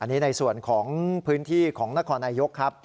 อันนี้ในส่วนของพื้นที่ของนครนายกครับ